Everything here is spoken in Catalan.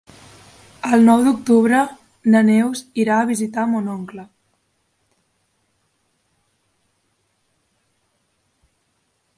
El nou d'octubre na Neus irà a visitar mon oncle.